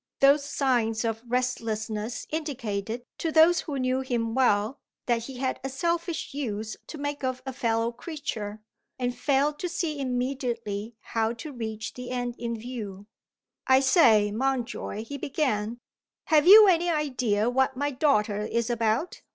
Those signs of restlessness indicated, to those who knew him well, that he had a selfish use to make of a fellow creature, and failed to see immediately how to reach the end in view. "I say, Mountjoy," he began, "have you any idea of what my daughter is about?"